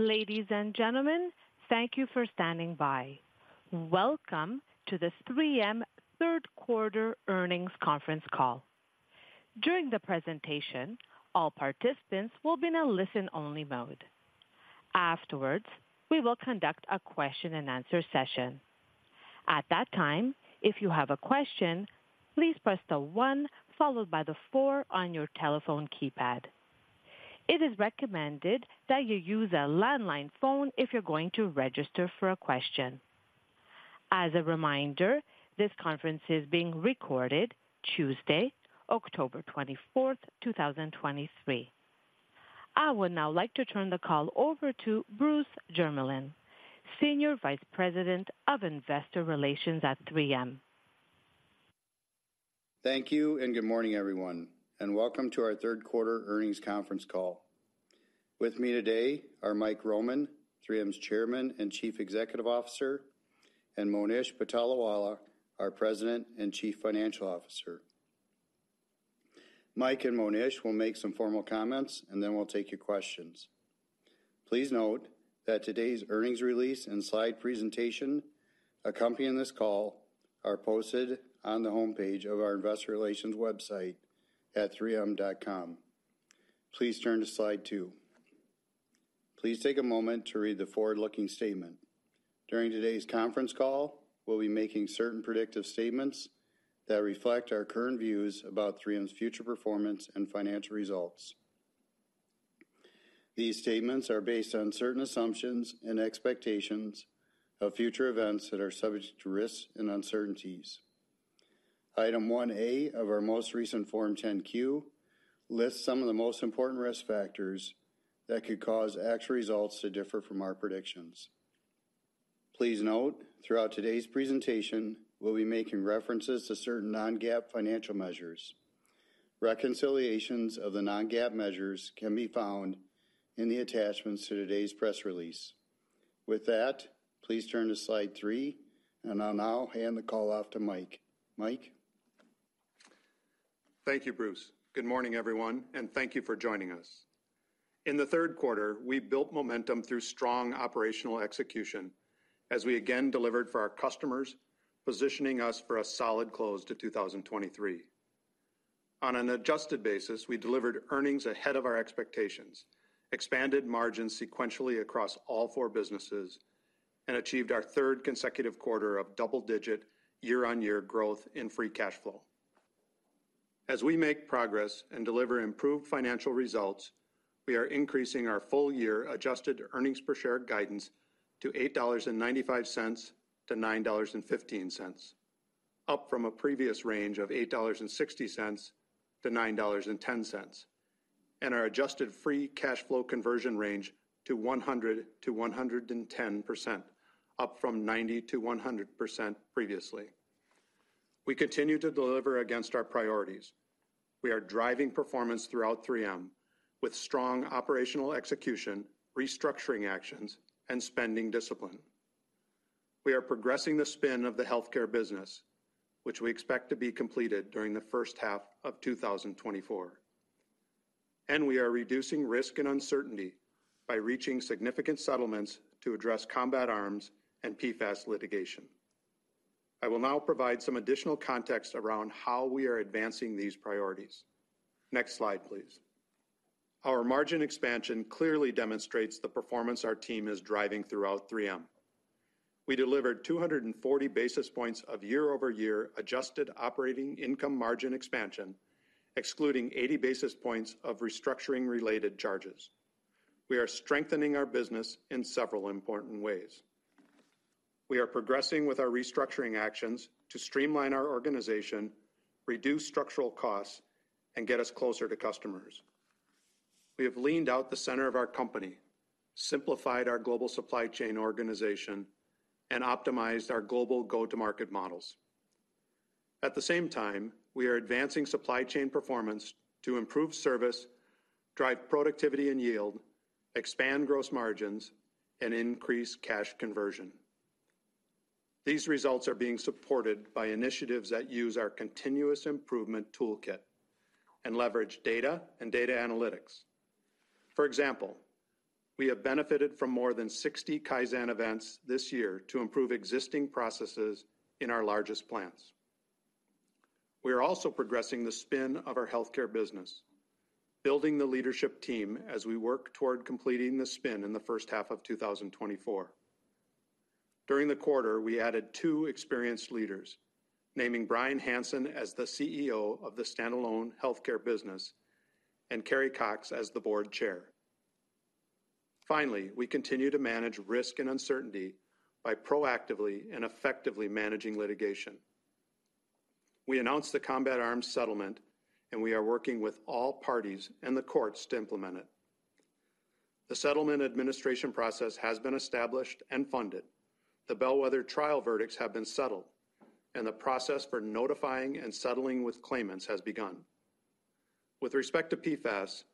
Ladies and gentlemen, thank you for standing by. Welcome to this 3M Third Quarter Earnings Conference Call. During the presentation, all participants will be in a listen-only mode. Afterwards, we will conduct a question-and-answer session. At that time, if you have a question, please press the one followed by the four on your telephone keypad. It is recommended that you use a landline phone if you're going to register for a question. As a reminder, this conference is being recorded Tuesday, October 24th, 2023. I would now like to turn the call over to Bruce Jermeland, Senior Vice President of Investor Relations at 3M. Thank you, and good morning, everyone, and welcome to our Third Quarter Earnings Conference Call. With me today are Mike Roman, 3M's Chairman and Chief Executive Officer, and Monish Patolawala, our President and Chief Financial Officer. Mike and Monish will make some formal comments, and then we'll take your questions. Please note that today's earnings release and slide presentation accompanying this call are posted on the homepage of our investor relations website at 3M.com. Please turn to slide two. Please take a moment to read the forward-looking statement. During today's conference call, we'll be making certain predictive statements that reflect our current views about 3M's future performance and financial results. These statements are based on certain assumptions and expectations of future events that are subject to risks and uncertainties. Item 1A of our most recent Form 10-Q lists some of the most important risk factors that could cause actual results to differ from our predictions. Please note, throughout today's presentation, we'll be making references to certain non-GAAP financial measures. Reconciliations of the non-GAAP measures can be found in the attachments to today's press release. With that, please turn to slide 3, and I'll now hand the call off to Mike. Mike? Thank you, Bruce. Good morning, everyone, and thank you for joining us. In the third quarter, we built momentum through strong operational execution as we again delivered for our customers, positioning us for a solid close to 2023. On an adjusted basis, we delivered earnings ahead of our expectations, expanded margins sequentially across all four businesses, and achieved our third consecutive quarter of double-digit year-on-year growth in free cash flow. As we make progress and deliver improved financial results, we are increasing our full-year adjusted earnings per share guidance to $8.95-$9.15, up from a previous range of $8.60-$9.10, and our adjusted free cash flow conversion range to 100%-110%, up from 90%-100% previously. We continue to deliver against our priorities. We are driving performance throughout 3M with strong operational execution, restructuring actions, and spending discipline. We are progressing the spin of the Healthcare business, which we expect to be completed during the first half of 2024. We are reducing risk and uncertainty by reaching significant settlements to address combat arms and PFAS litigation. I will now provide some additional context around how we are advancing these priorities. Next slide, please. Our margin expansion clearly demonstrates the performance our team is driving throughout 3M. We delivered 240 basis points of year-over-year adjusted operating income margin expansion, excluding 80 basis points of restructuring-related charges. We are strengthening our business in several important ways. We are progressing with our restructuring actions to streamline our organization, reduce structural costs, and get us closer to customers. We have leaned out the center of our company, simplified our global supply chain organization, and optimized our global go-to-market models. At the same time, we are advancing supply chain performance to improve service, drive productivity and yield, expand gross margins, and increase cash conversion. These results are being supported by initiatives that use our continuous improvement toolkit and leverage data and data analytics. For example, we have benefited from more than 60 Kaizen events this year to improve existing processes in our largest plants. We are also progressing the spin of our Healthcare business, building the leadership team as we work toward completing the spin in the first half of 2024. During the quarter, we added two experienced leaders, naming Bryan Hanson as the CEO of the standalone Healthcare business and Carrie Cox as the board chair. Finally, we continue to manage risk and uncertainty by proactively and effectively managing litigation. We announced the Combat Arms settlement, and we are working with all parties and the courts to implement it. The settlement administration process has been established and funded. The bellwether trial verdicts have been settled, and the process for notifying and settling with claimants has begun. With respect to PFAS,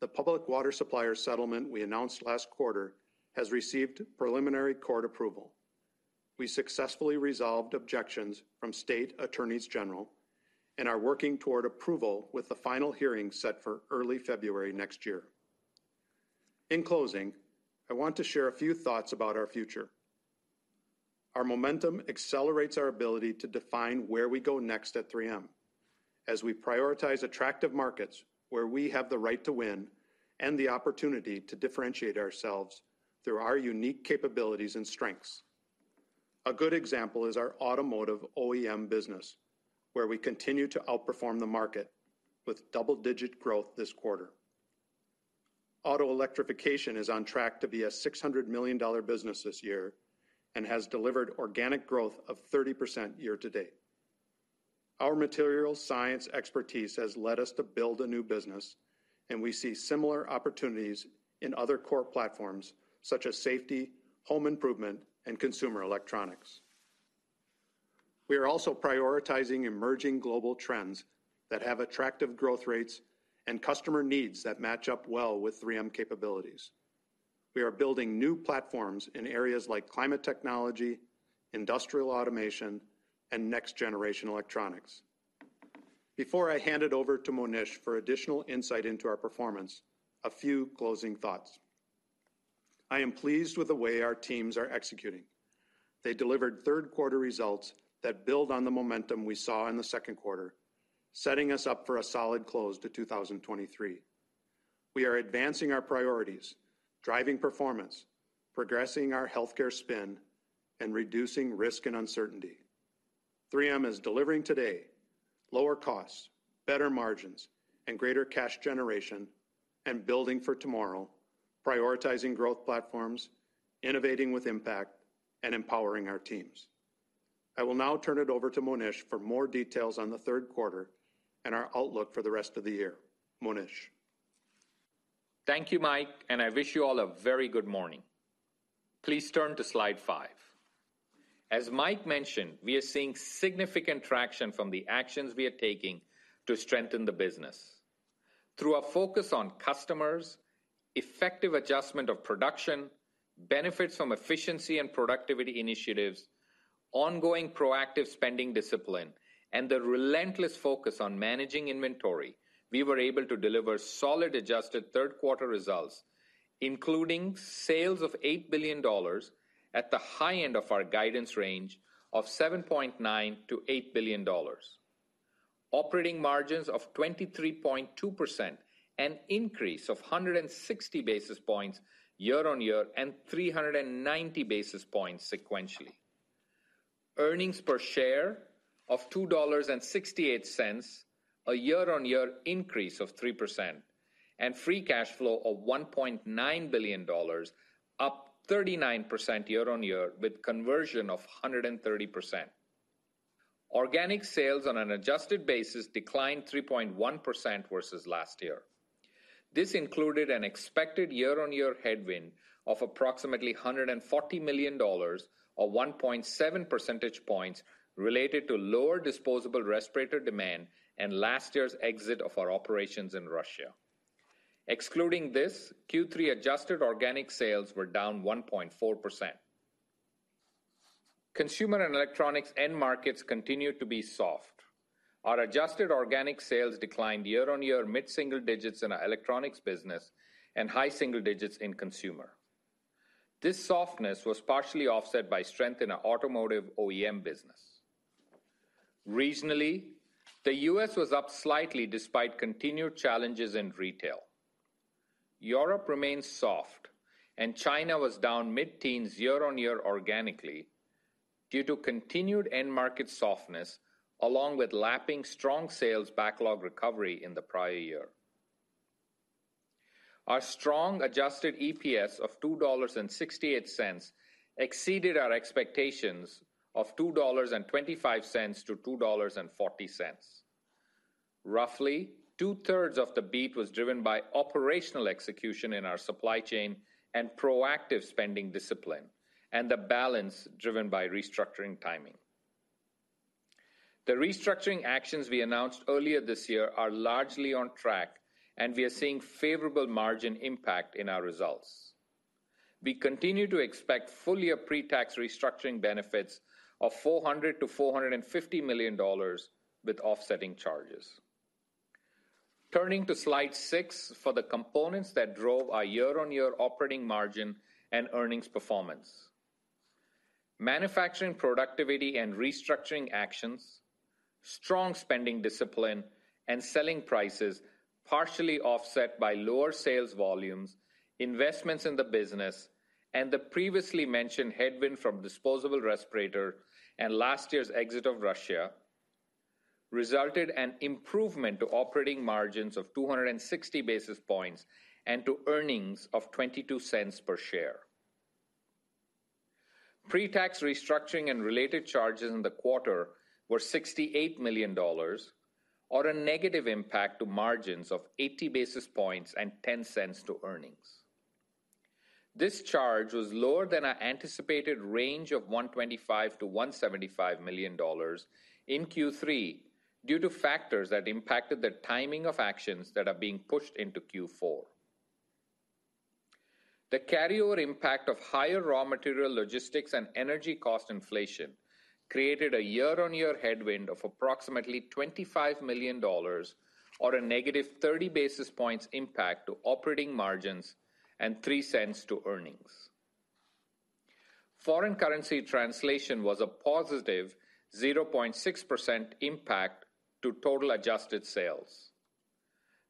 the public water supplier settlement we announced last quarter has received preliminary court approval. We successfully resolved objections from state attorneys general and are working toward approval, with the final hearing set for early February next year. In closing, I want to share a few thoughts about our future. Our momentum accelerates our ability to define where we go next at 3M, as we prioritize attractive markets where we have the right to win and the opportunity to differentiate ourselves through our unique capabilities and strengths. A good example is our automotive OEM business, where we continue to outperform the market with double-digit growth this quarter. Auto electrification is on track to be a $600 million business this year and has delivered organic growth of 30% year-to-date. Our material science expertise has led us to build a new business, and we see similar opportunities in other core platforms such as safety, home improvement, and Consumer electronics. We are also prioritizing emerging global trends that have attractive growth rates and customer needs that match up well with 3M capabilities. We are building new platforms in areas like climate technology, industrial automation, and next-generation electronics. Before I hand it over to Monish for additional insight into our performance, a few closing thoughts. I am pleased with the way our teams are executing. They delivered third-quarter results that build on the momentum we saw in the second quarter, setting us up for a solid close to 2023. We are advancing our priorities, driving performance, progressing our Healthcare spin, and reducing risk and uncertainty. 3M is delivering today lower costs, better margins, and greater cash generation, and building for tomorrow, prioritizing growth platforms, innovating with impact, and empowering our teams. I will now turn it over to Monish for more details on the third quarter and our outlook for the rest of the year. Monish? Thank you, Mike, and I wish you all a very good morning. Please turn to slide 5. As Mike mentioned, we are seeing significant traction from the actions we are taking to strengthen the business. Through a focus on customers, effective adjustment of production, benefits from efficiency and productivity initiatives, ongoing proactive spending discipline, and the relentless focus on managing inventory, we were able to deliver solid adjusted third-quarter results, including sales of $8 billion at the high end of our guidance range of $7.9 billion-$8 billion. Operating margins of 23.2%, an increase of 160 basis points year-on-year, and 390 basis points sequentially. Earnings per share of $2.68, a year-on-year increase of 3%, and free cash flow of $1.9 billion, up 39% year-on-year, with conversion of 130%. Organic sales on an adjusted basis declined 3.1% versus last year. This included an expected year-on-year headwind of approximately $140 million, or 1.7 percentage points, related to lower Disposable Respirator demand and last year's exit of our operations in Russia. Excluding this, Q3 adjusted organic sales were down 1.4%. Consumer and electronics end markets continued to be soft. Our adjusted organic sales declined year-on-year mid-single digits in our electronics business and high single digits in Consumer. This softness was partially offset by strength in our automotive OEM business. Regionally, the U.S. was up slightly despite continued challenges in retail. Europe remains soft, and China was down mid-teens year-on-year organically due to continued end market softness, along with lapping strong sales backlog recovery in the prior year. Our strong adjusted EPS of $2.68 exceeded our expectations of $2.25-$2.40. Roughly two-thirds of the beat was driven by operational execution in our supply chain and proactive spending discipline, and the balance driven by restructuring timing. The restructuring actions we announced earlier this year are largely on track, and we are seeing favorable margin impact in our results. We continue to expect full-year pre-tax restructuring benefits of $400 million-$450 million, with offsetting charges. Turning to slide 6 for the components that drove our year-on-year operating margin and earnings performance. Manufacturing productivity and restructuring actions, strong spending discipline and selling prices, partially offset by lower sales volumes, investments in the business, and the previously mentioned headwind from Disposable Respirator and last year's exit of Russia, resulted in improvement to operating margins of 260 basis points and to earnings of 22 cents per share. Pre-tax restructuring and related charges in the quarter were $68 million, or a negative impact to margins of 80 basis points and $0.1 to earnings. This charge was lower than our anticipated range of $125 million-$175 million in Q3 due to factors that impacted the timing of actions that are being pushed into Q4. The carryover impact of higher raw material, logistics, and energy cost inflation created a year-on-year headwind of approximately $25 million, or a -30 basis points impact to operating margins and $0.03 to earnings. Foreign currency translation was a +0.6% impact to total adjusted sales.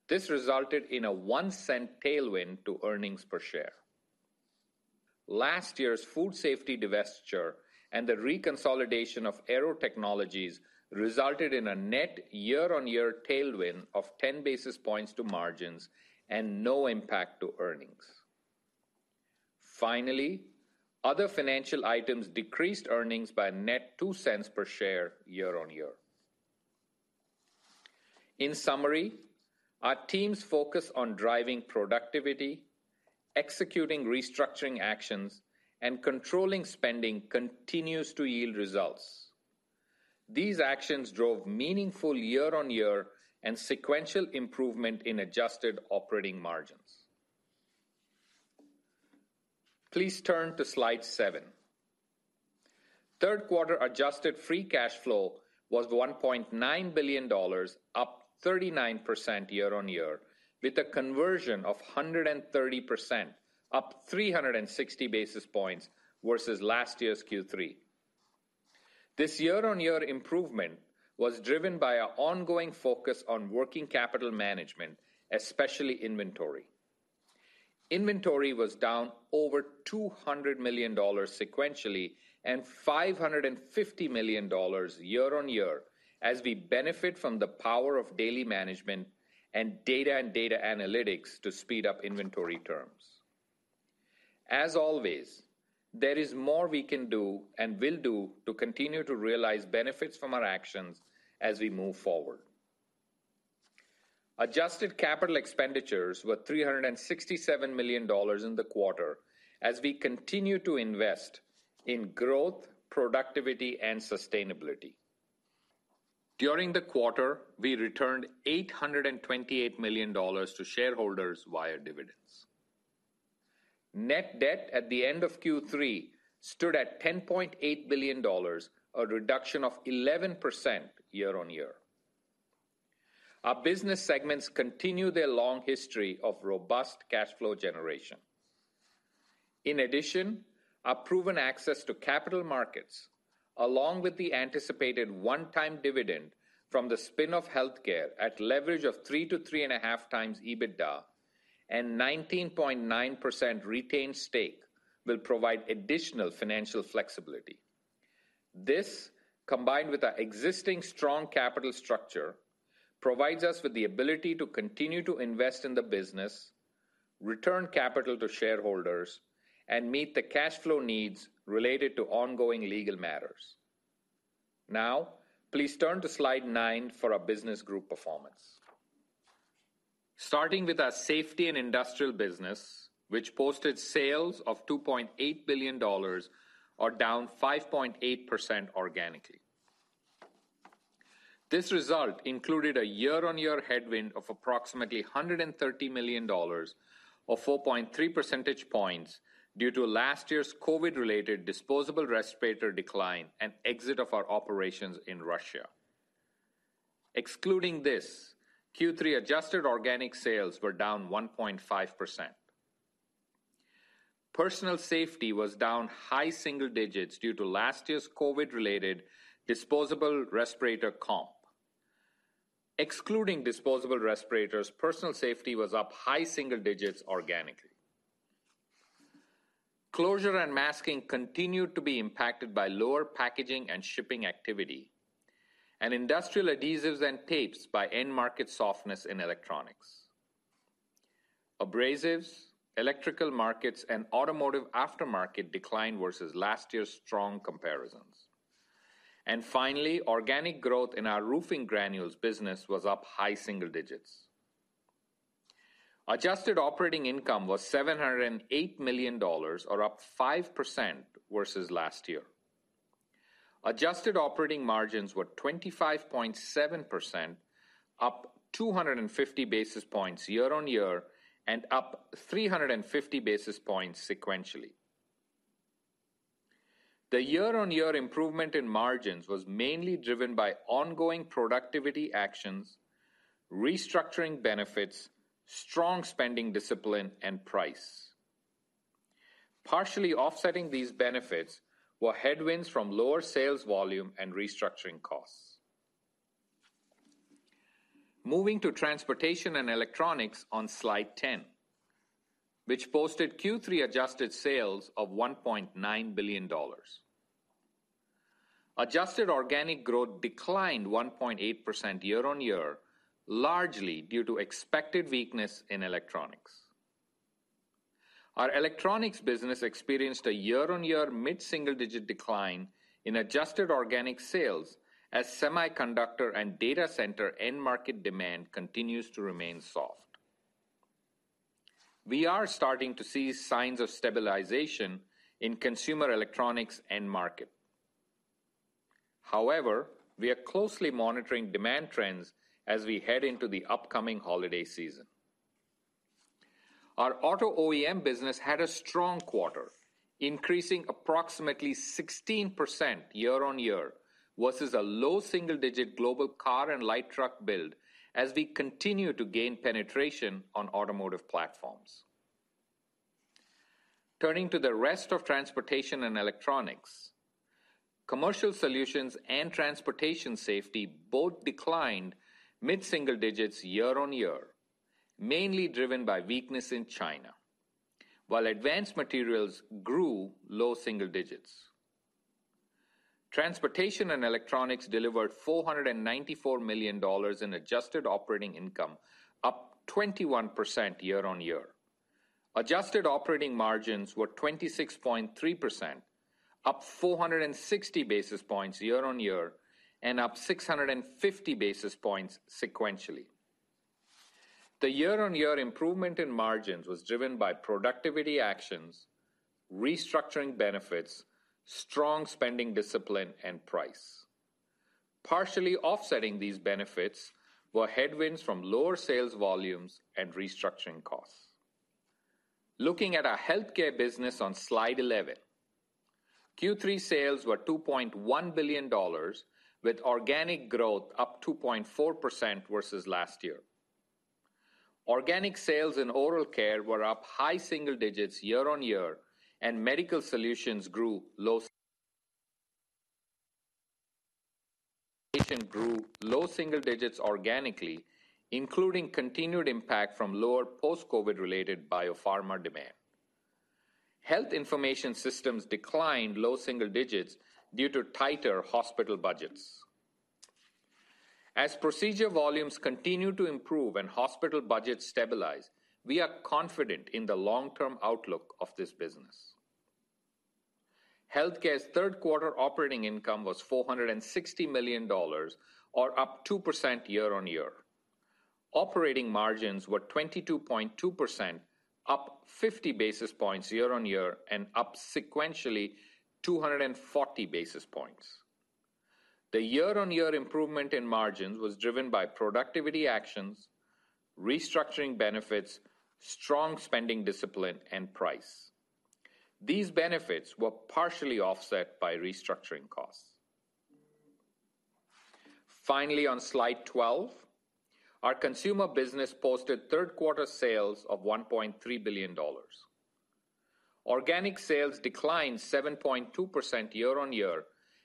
This resulted in a $0.01 tailwind to earnings per share. Last year's food safety divestiture and the reconsolidation of Aearo Technologies resulted in a net year-on-year tailwind of 10 basis points to margins and no impact to earnings. Finally, other financial items decreased earnings by a net $0.02 per share year-on-year. In summary, our team's focus on driving productivity, executing restructuring actions, and controlling spending continues to yield results. These actions drove meaningful year-on-year and sequential improvement in adjusted operating margins. Please turn to slide seven. Third quarter adjusted free cash flow was $1.9 billion, up 39% year-on-year, with a conversion of 130%, up 360 basis points versus last year's Q3. This year-on-year improvement was driven by our ongoing focus on working capital management, especially inventory. Inventory was down over $200 million sequentially, and $550 million year-on-year, as we benefit from the power of daily management and data and data analytics to speed up inventory terms. As always, there is more we can do and will do to continue to realize benefits from our actions as we move forward. Adjusted capital expenditures were $367 million in the quarter as we continue to invest in growth, productivity, and sustainability. During the quarter, we returned $828 million to shareholders via dividends. Net debt at the end of Q3 stood at $10.8 billion, a reduction of 11% year-on-year. Our business segments continue their long history of robust cash flow generation. In addition, our proven access to capital markets, along with the anticipated one-time dividend from the spin of Healthcare at leverage of 3-3.5x EBITDA and 19.9% retained stake, will provide additional financial flexibility. This, combined with our existing strong capital structure, provides us with the ability to continue to invest in the business, return capital to shareholders, and meet the cash flow needs related to ongoing legal matters. Now, please turn to slide 9 for our business group performance. Starting with our Safety and Industrial business, which posted sales of $2.8 billion, or down 5.8% organically. This result included a year-on-year headwind of approximately $130 million, or 4.3 percentage points, due to last year's COVID-related Disposable Respirator decline and exit of our operations in Russia. Excluding this, Q3 adjusted organic sales were down 1.5%. Personal Safety was down high single digits due to last year's COVID-related Disposable Respirator comp. Excluding Disposable Respirators, Personal Safety was up high single digits organically. Closure and Masking continued to be impacted by lower packaging and shipping activity, and Industrial Adhesives and Tapes by end market softness in electronics. Abrasives, Electrical Markets, and Automotive Aftermarket declined versus last year's strong comparisons. And finally, organic growth in our Roofing Granules business was up high single digits. Adjusted operating income was $708 million, or up 5% versus last year. Adjusted operating margins were 25.7%, up 250 basis points year-on-year, and up 350 basis points sequentially. The year-on-year improvement in margins was mainly driven by ongoing productivity actions, restructuring benefits, strong spending discipline, and price. Partially offsetting these benefits were headwinds from lower sales volume and restructuring costs. Moving to Transportation and Electronics on slide 10, which posted Q3 adjusted sales of $1.9 billion. Adjusted organic growth declined 1.8% year-on-year, largely due to expected weakness in electronics. Our electronics business experienced a year-on-year mid-single-digit decline in adjusted organic sales as semiconductor and data center end market demand continues to remain soft. We are starting to see signs of stabilization in Consumer electronics end market. However, we are closely monitoring demand trends as we head into the upcoming holiday season. Our auto OEM business had a strong quarter, increasing approximately 16% year-on-year, versus a low single-digit global car and light truck build, as we continue to gain penetration on automotive platforms. Turning to the rest of Transportation and Electronics, Commercial Solutions and Transportation Safety both declined mid-single digits year-on-year, mainly driven by weakness in China, while Advanced Materials grew low single digits. Transportation and Electronics delivered $494 million in adjusted operating income, up 21% year-on-year. Adjusted operating margins were 26.3%, up 460 basis points year-on-year, and up 650 basis points sequentially. The year-on-year improvement in margins was driven by productivity actions, restructuring benefits, strong spending discipline, and price. Partially offsetting these benefits were headwinds from lower sales volumes and restructuring costs. Looking at our Healthcare business on slide 11, Q3 sales were $2.1 billion, with organic growth up 2.4% versus last year. Organic sales in Oral Care were up high single digits year-on-year, and Medical Solutions grew low single digits organically, including continued impact from lower post-COVID related biopharma demand. Health Information Systems declined low single digits due to tighter hospital budgets. As procedure volumes continue to improve and hospital budgets stabilize, we are confident in the long-term outlook of this business. Healthcare's third quarter operating income was $460 million, up 2% year-on-year. Operating margins were 22.2%, up 50 basis points year-on-year and up sequentially 240 basis points. The year-on-year improvement in margins was driven by productivity actions, restructuring benefits, strong spending discipline, and price. These benefits were partially offset by restructuring costs. Finally, on slide 12, our Consumer business posted third quarter sales of $1.3 billion. Organic sales declined 7.2% year-on-year,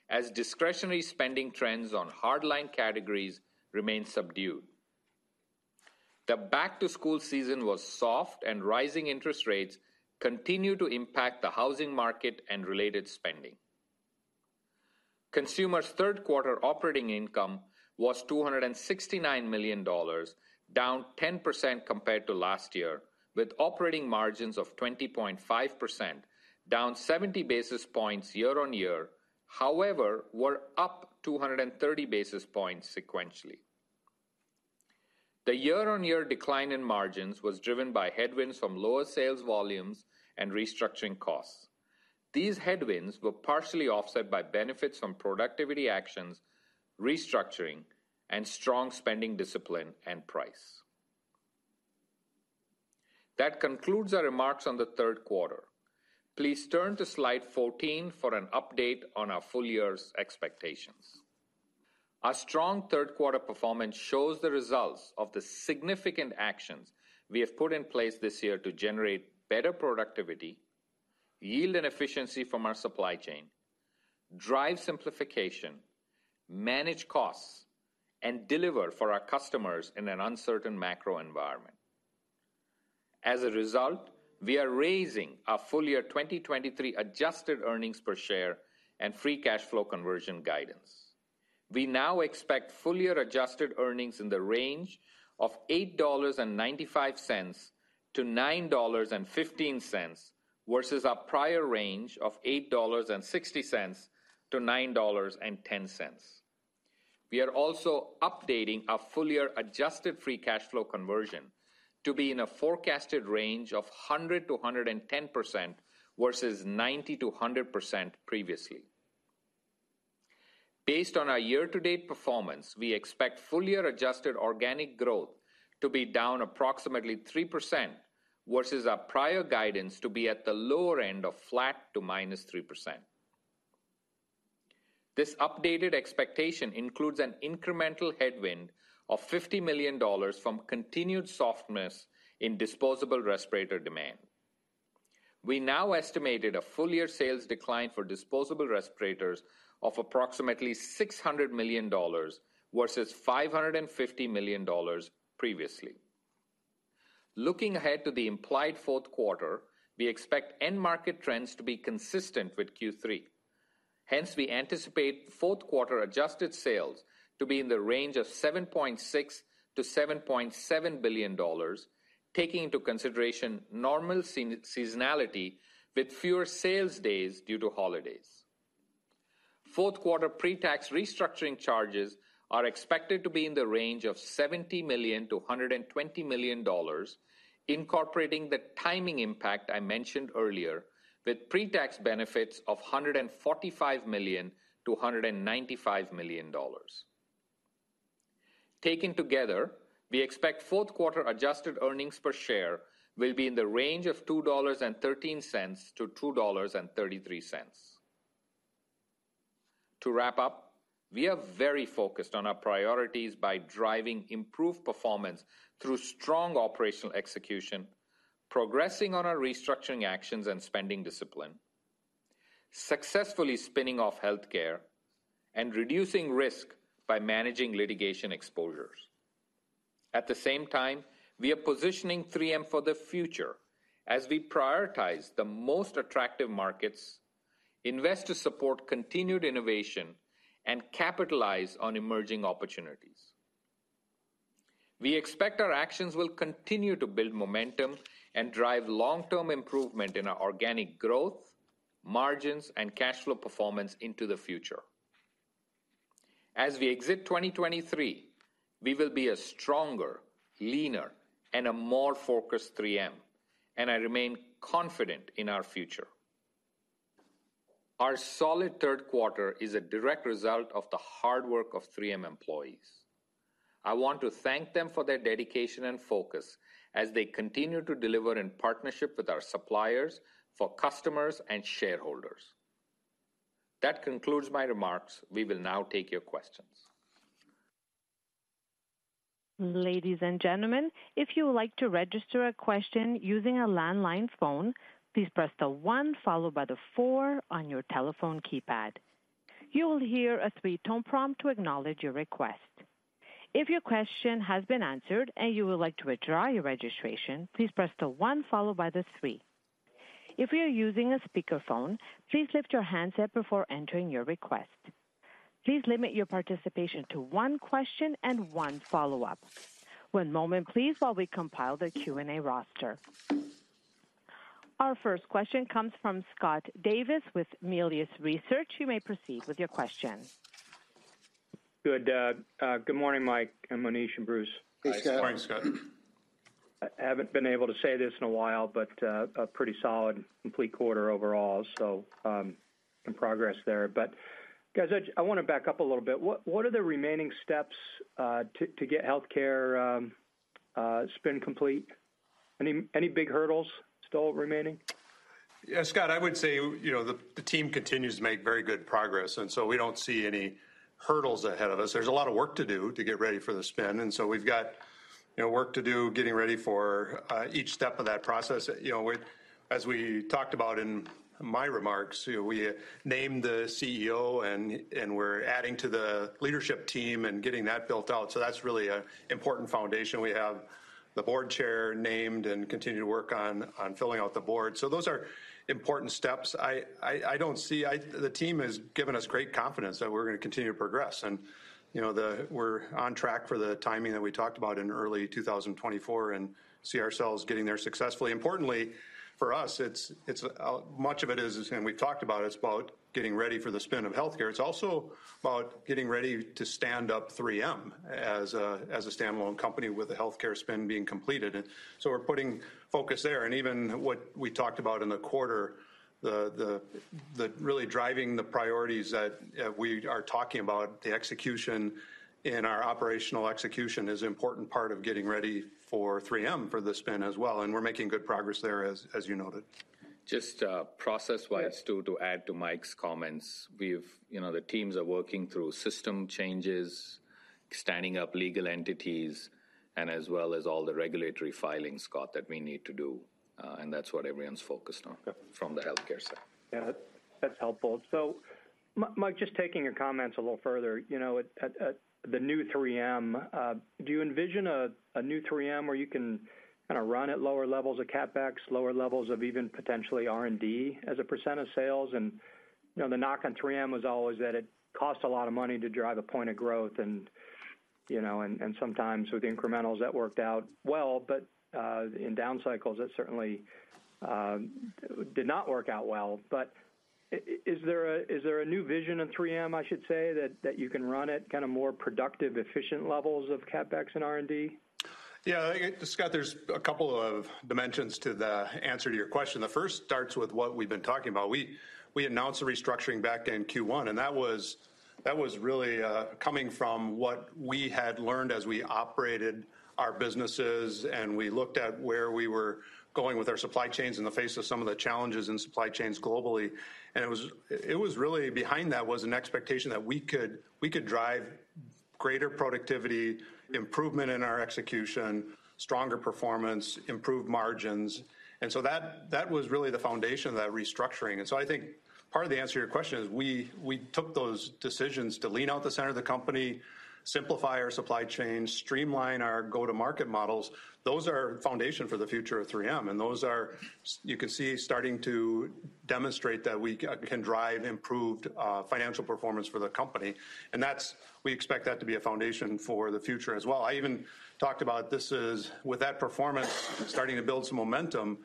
as discretionary spending trends on hardline categories remained subdued. The back-to-school season was soft, and rising interest rates continued to impact the housing market and related spending. Consumer's third quarter operating income was $269 million, down 10% compared to last year, with operating margins of 20.5%, down 70 basis points year-on-year, however, were up 230 basis points sequentially. The year-on-year decline in margins was driven by headwinds from lower sales volumes and restructuring costs. These headwinds were partially offset by benefits from productivity actions, restructuring, and strong spending discipline and price. That concludes our remarks on the third quarter. Please turn to slide 14 for an update on our full year's expectations. Our strong third quarter performance shows the results of the significant actions we have put in place this year to generate better productivity, yield and efficiency from our supply chain, drive simplification, manage costs, and deliver for our customers in an uncertain macro environment. As a result, we are raising our full year 2023 adjusted earnings per share and free cash flow conversion guidance. We now expect full year adjusted earnings in the range of $8.95-$9.15, versus our prior range of $8.60-$9.10. We are also updating our full year adjusted free cash flow conversion to be in a forecasted range of 100%-110%, versus 90%-100% previously. Based on our year-to-date performance, we expect full year adjusted organic growth to be down approximately 3%, versus our prior guidance to be at the lower end of flat to -3%. This updated expectation includes an incremental headwind of $50 million from continued softness in Disposable Respirator demand. We now estimated a full year sales decline for Disposable Respirators of approximately $600 million, versus $550 million previously. Looking ahead to the implied fourth quarter, we expect end market trends to be consistent with Q3. Hence, we anticipate fourth quarter adjusted sales to be in the range of $7.6 billion-$7.7 billion, taking into consideration normal seasonality with fewer sales days due to holidays. Fourth quarter pre-tax restructuring charges are expected to be in the range of $70 million-$120 million, incorporating the timing impact I mentioned earlier, with pre-tax benefits of $145 million-$195 million. Taken together, we expect fourth quarter adjusted earnings per share will be in the range of $2.13-$2.33. To wrap up, we are very focused on our priorities by driving improved performance through strong operational execution, progressing on our restructuring actions and spending discipline, successfully spinning off Healthcare, and reducing risk by managing litigation exposures. At the same time, we are positioning 3M for the future as we prioritize the most attractive markets, invest to support continued innovation, and capitalize on emerging opportunities. We expect our actions will continue to build momentum and drive long-term improvement in our organic growth, margins, and cash flow performance into the future. As we exit 2023, we will be a stronger, leaner, and a more focused 3M, and I remain confident in our future. Our solid third quarter is a direct result of the hard work of 3M employees. I want to thank them for their dedication and focus as they continue to deliver in partnership with our suppliers, for customers, and shareholders. That concludes my remarks. We will now take your questions. Ladies and gentlemen, if you would like to register a question using a landline phone, please press one followed by four on your telephone keypad. You will hear a three-tone prompt to acknowledge your request. If your question has been answered and you would like to withdraw your registration, please press one followed by three. If you are using a speakerphone, please lift your handset before entering your request. Please limit your participation to one question and one follow-up. One moment, please, while we compile the Q&A roster. Our first question comes from Scott Davis with Melius Research. You may proceed with your question. Good morning, Mike, Monish, and Bruce. Hey, Scott. Good morning, Scott. I haven't been able to say this in a while, but a pretty solid, complete quarter overall, so in progress there. But guys, I wanna back up a little bit. What are the remaining steps to get Healthcare spin complete? Any big hurdles still remaining? Yeah, Scott, I would say, you know, the team continues to make very good progress, and so we don't see any hurdles ahead of us. There's a lot of work to do to get ready for the spin, and so we've got, you know, work to do, getting ready for each step of that process. You know, as we talked about in my remarks, you know, we named the CEO and we're adding to the leadership team and getting that built out, so that's really an important foundation. We have the board chair named and continue to work on filling out the board. So those are important steps. I don't see the team has given us great confidence that we're gonna continue to progress and, you know, we're on track for the timing that we talked about in early 2024 and see ourselves getting there successfully. Importantly, for us, it's, it's, much of it is, and we've talked about, it's about getting ready for the spin of Healthcare. It's also about getting ready to stand up 3M as a standalone company with the Healthcare spin being completed, and so we're putting focus there. And even what we talked about in the quarter, the really driving the priorities that we are talking about, the execution in our operational execution is an important part of getting ready for 3M for the spin as well, and we're making good progress there, as you noted. Just, process-wise, too, to add to Mike's comments, we've, you know, the teams are working through system changes, standing up legal entities, and as well as all the regulatory filings, Scott, that we need to do, and that's what everyone's focused on. Okay. From the Healthcare side. Yeah, that's helpful. So Mike, just taking your comments a little further. You know, at the new 3M, do you envision a new 3M where you can kinda run at lower levels of CapEx, lower levels of even potentially R&D as a percent of sales? And, you know, the knock on 3M was always that it cost a lot of money to drive a point of growth and, you know, and sometimes with incrementals, that worked out well, but in down cycles, that certainly did not work out well. But is there a new vision of 3M, I should say, that you can run at kind of more productive, efficient levels of CapEx and R&D? Yeah, Scott, there's a couple of dimensions to the answer to your question. The first starts with what we've been talking about. We, we announced a restructuring back in Q1, and that was, that was really, coming from what we had learned as we operated our businesses, and we looked at where we were going with our supply chains in the face of some of the challenges in supply chains globally. And it was, it was really behind that was an expectation that we could, we could drive greater productivity, improvement in our execution, stronger performance, improved margins, and so that, that was really the foundation of that restructuring. And so I think part of the answer to your question is, we, we took those decisions to lean out the center of the company, simplify our supply chain, streamline our go-to-market models. Those are foundation for the future of 3M, and those are, you can see, starting to demonstrate that we can drive improved, financial performance for the company, and that's we expect that to be a foundation for the future as well. I even talked about this is, with that performance starting to build some momentum,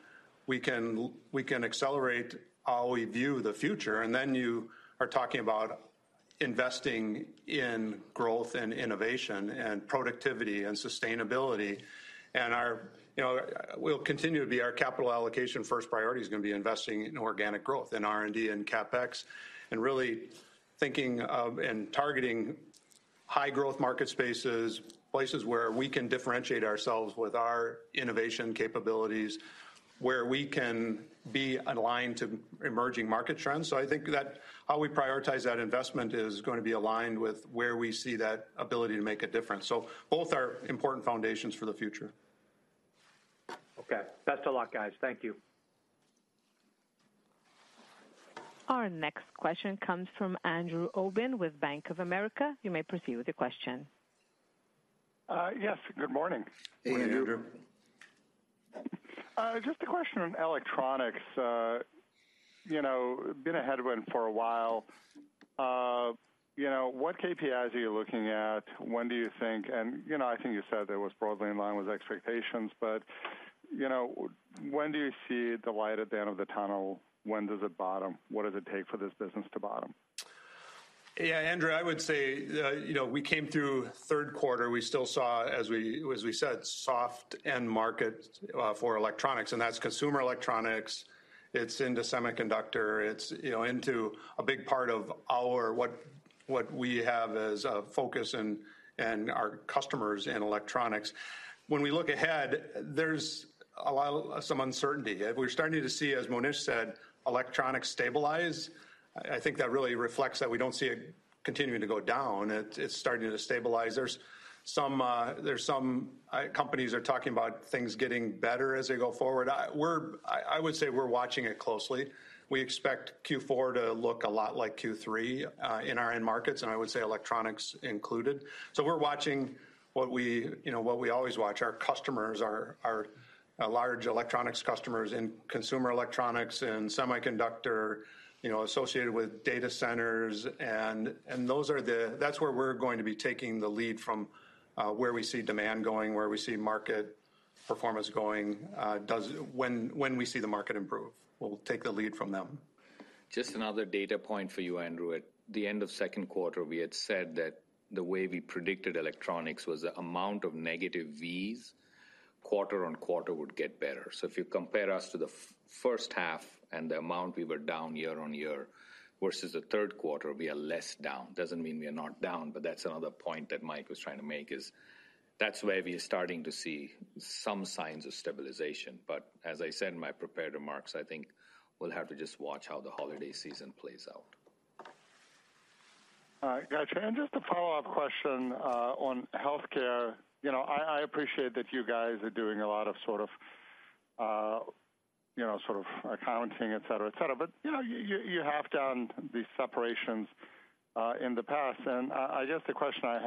we can accelerate how we view the future, and then you are talking about investing in growth and innovation and productivity and sustainability. And our you know, we'll continue to be our capital allocation first priority is gonna be investing in organic growth, in R&D and CapEx, and really thinking of and targeting high growth market spaces, places where we can differentiate ourselves with our innovation capabilities, where we can be aligned to emerging market trends. I think that how we prioritize that investment is going to be aligned with where we see that ability to make a difference. Both are important foundations for the future. Okay. Best of luck, guys. Thank you. Our next question comes from Andrew Obin with Bank of America. You may proceed with your question. Yes, good morning. Hey, Andrew. Just a question on electronics. You know, been a headwind for a while. You know, what KPIs are you looking at? When do you think and, you know, I think you said it was broadly in line with expectations, but, you know, when do you see the light at the end of the tunnel? When does it bottom? What does it take for this business to bottom? Yeah, Andrew, I would say, you know, we came through third quarter. We still saw, as we, as we said, soft end markets, for electronics, and that's Consumer electronics. It's into semiconductor. It's, you know, into a big part of our, what we have as a focus and, and our customers in electronics. When we look ahead, there's a lot some uncertainty. We're starting to see, as Monish said, electronics stabilize. I think that really reflects that we don't see it continuing to go down. It, it's starting to stabilize. There's some, there's some, companies are talking about things getting better as they go forward. We're I would say we're watching it closely. We expect Q4 to look a lot like Q3, in our end markets, and I would say electronics included. So we're watching what we, you know, what we always watch. Our customers are large electronics customers in Consumer electronics, in semiconductor, you know, associated with data centers, and those are the, that's where we're going to be taking the lead from, where we see demand going, where we see market performance going. When we see the market improve, we'll take the lead from them. Just another data point for you, Andrew. At the end of second quarter, we had said that the way we predicted electronics was the amount of negative vs., quarter-on-quarter would get better. So if you compare us to the first half and the amount we were down year-on-year versus the third quarter, we are less down. Doesn't mean we are not down, but that's another point that Mike was trying to make, is that's where we are starting to see some signs of stabilization. But as I said in my prepared remarks, I think we'll have to just watch how the holiday season plays out. All right, got you. And just a follow-up question on Healthcare. You know, I appreciate that you guys are doing a lot of sort of, you know, sort of accounting, et cetera, et cetera. But, you know, you have done these separations in the past, and I guess the question I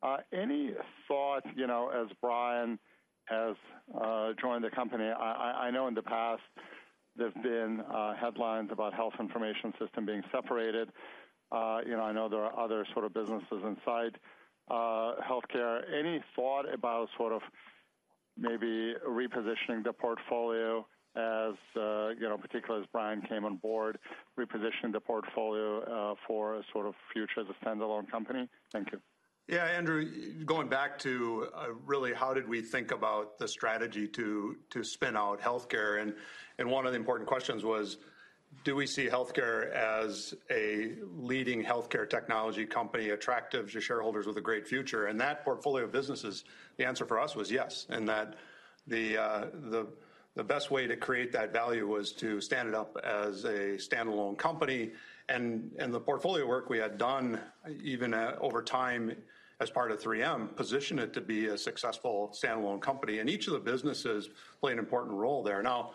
have, any thought, you know, as Bryan has joined the company. I know in the past there's been headlines about health information system being separated. You know, I know there are other sort of businesses inside Healthcare. Any thought about sort of maybe repositioning the portfolio as, you know, particularly as Bryan came on board, repositioning the portfolio for a sort of future as a standalone company? Thank you. Yeah, Andrew, going back to, really, how did we think about the strategy to, to spin out Healthcare? And, and one of the important questions was: Do we see Healthcare as a leading Healthcare technology company, attractive to shareholders with a great future? And that portfolio of businesses, the answer for us was yes, and that the, the best way to create that value was to stand it up as a standalone company. And, and the portfolio work we had done, even, over time as part of 3M, positioned it to be a successful standalone company, and each of the businesses play an important role there. Now,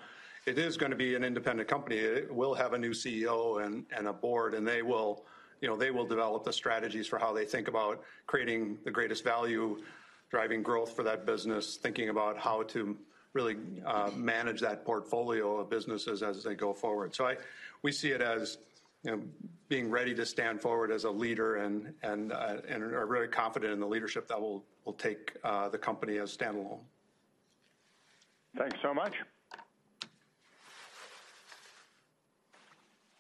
it is going to be an independent company. It will have a new CEO and, and a board, and they will, you know, they will develop the strategies for how they think about creating the greatest value, driving growth for that business, thinking about how to really manage that portfolio of businesses as they go forward. So we see it as, you know, being ready to stand forward as a leader and, and, and are really confident in the leadership that will, will take the company as standalone. Thanks so much.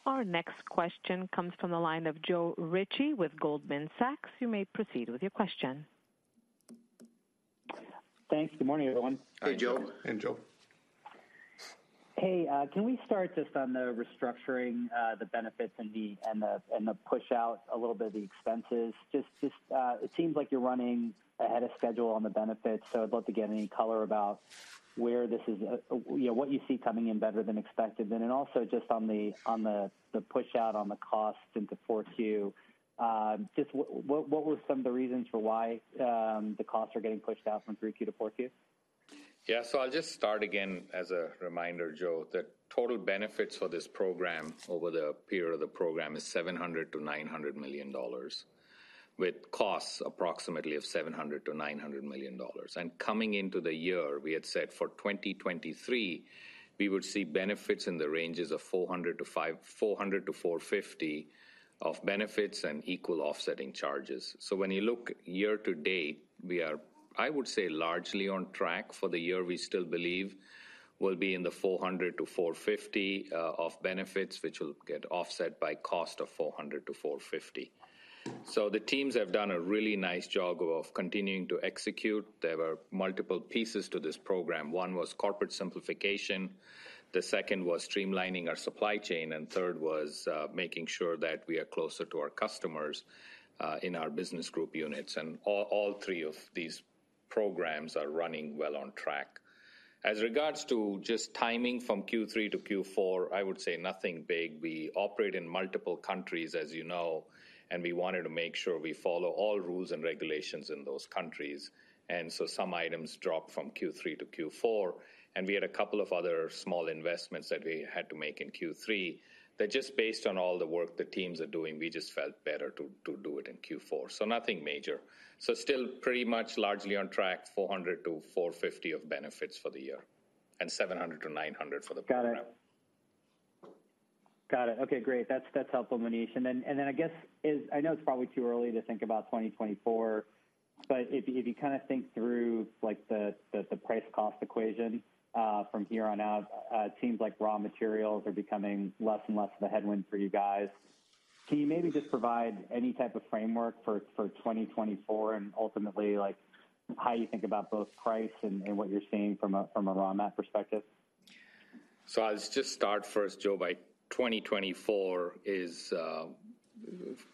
Our next question comes from the line of Joe Ritchie with Goldman Sachs. You may proceed with your question. Thanks. Good morning, everyone. Hey, Joe. Hey, Joe. Hey, can we start just on the restructuring, the benefits and the push out a little bit of the expenses? Just, it seems like you're running ahead of schedule on the benefits, so I'd love to get any color about where this is, you know, what you see coming in better than expected. And then also just on the pushout, on the costs into four Q, just what were some of the reasons for why the costs are getting pushed out from three Q to four Q? Yeah. So I'll just start again as a reminder, Joe, the total benefits for this program over the period of the program is $700 million-$900 million, with costs approximately of $700 million-$900 million. Coming into the year, we had said for 2023, we would see benefits in the ranges of 400-450 of benefits and equal offsetting charges. So when you look year-to-date, we are, I would say, largely on track for the year, we still believe will be in the 400-450 of benefits, which will get offset by cost of 400-450. So the teams have done a really nice job of continuing to execute. There were multiple pieces to this program. One was corporate simplification, the second was streamlining our supply chain, and third was making sure that we are closer to our customers in our business group units. All three of these programs are running well on track. As regards to just timing from Q3 to Q4, I would say nothing big. We operate in multiple countries, as you know, and we wanted to make sure we follow all rules and regulations in those countries, and so some items dropped from Q3 to Q4, and we had a couple of other small investments that we had to make in Q3, that just based on all the work the teams are doing, we just felt better to do it in Q4. Nothing major. So still pretty much largely on track, $400-$450 of benefits for the year, and $700-$900 for the program. Got it. Got it. Okay, great. That's, that's helpful, Monish. And then, and then I guess is, I know it's probably too early to think about 2024, but if you, if you kinda think through, like, the, the, the price cost equation, from here on out, it seems like raw materials are becoming less and less of a headwind for you guys. Can you maybe just provide any type of framework for, for 2024, and ultimately, like, how you think about both price and, and what you're seeing from a, from a raw mat perspective? So I'll just start first, Joe, by 2024 is a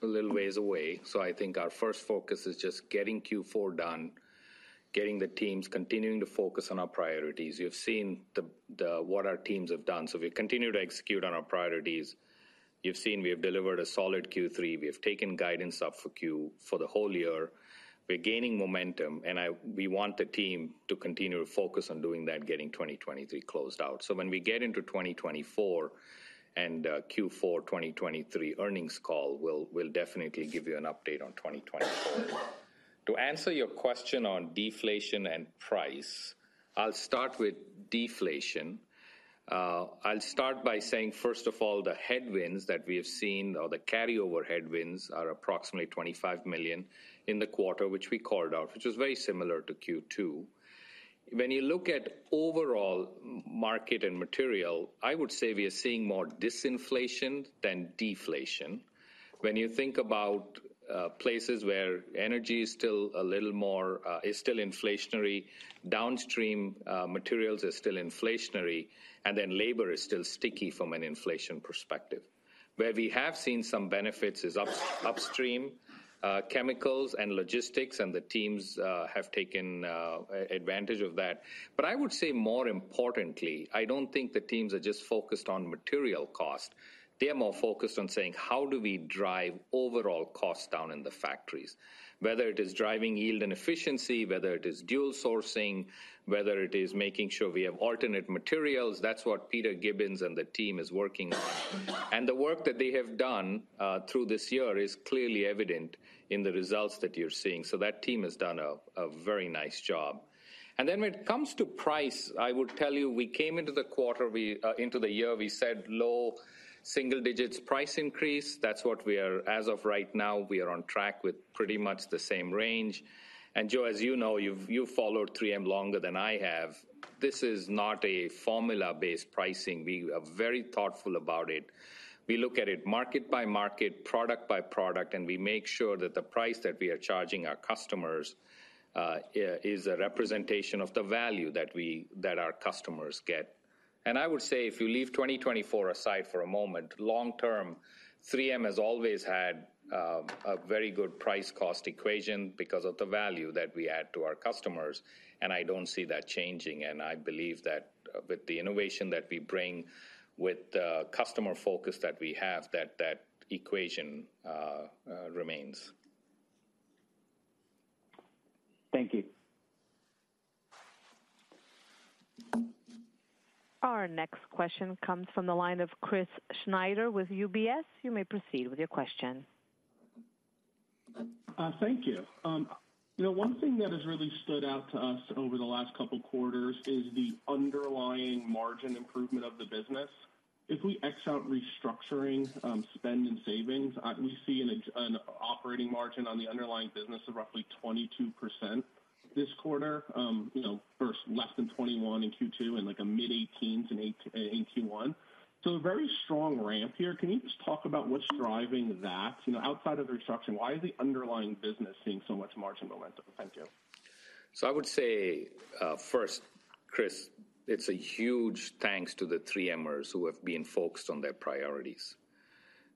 little ways away, so I think our first focus is just getting Q4 done, getting the teams continuing to focus on our priorities. You've seen the what our teams have done. So we continue to execute on our priorities. You've seen we have delivered a solid Q3. We have taken guidance up for Q for the whole year. We're gaining momentum, and we want the team to continue to focus on doing that, getting 2023 closed out. So when we get into 2024 and Q4 2023 Earnings Call, we'll definitely give you an update on 2024. To answer your question on deflation and price, I'll start with deflation. I'll start by saying, first of all, the headwinds that we have seen or the carryover headwinds are approximately $25 million in the quarter, which we called out, which is very similar to Q2. When you look at overall market and material, I would say we are seeing more disinflation than deflation. When you think about, places where energy is still a little more, is still inflationary, downstream, materials are still inflationary, and then labor is still sticky from an inflation perspective. Where we have seen some benefits is upstream, chemicals and logistics, and the teams, have taken, advantage of that. But I would say more importantly, I don't think the teams are just focused on material cost. They are more focused on saying: How do we drive overall costs down in the factories? Whether it is driving yield and efficiency, whether it is dual sourcing, whether it is making sure we have alternate materials, that's what Peter Gibbons and the team is working on. And the work that they have done through this year is clearly evident in the results that you're seeing. So that team has done a very nice job. And then when it comes to price, I would tell you, we came into the quarter, we into the year, we said low single digits price increase. That's what we are, As of right now, we are on track with pretty much the same range. And Joe, as you know, you've followed 3M longer than I have, this is not a formula-based pricing. We are very thoughtful about it. We look at it market by market, product by product, and we make sure that the price that we are charging our customers is a representation of the value that our customers get. And I would say if you leave 2024 aside for a moment, long term, 3M has always had a very good price-cost equation because of the value that we add to our customers, and I don't see that changing. And I believe that with the innovation that we bring, with the customer focus that we have, that that equation remains. Thank you. Our next question comes from the line of Chris Snyder with UBS. You may proceed with your question. Thank you. You know, one thing that has really stood out to us over the last couple quarters is the underlying margin improvement of the business. If we X out restructuring, spend and savings, we see an operating margin on the underlying business of roughly 22% this quarter. You know, versus less than 21% in Q2 and, like, a mid-18% in Q1. So a very strong ramp here. Can you just talk about what's driving that? You know, outside of the restructuring, why is the underlying business seeing so much margin momentum? Thank you. So I would say, first, Chris, it's a huge thanks to the 3Mers who have been focused on their priorities.